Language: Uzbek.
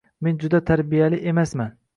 Meni juda tartibli emasman.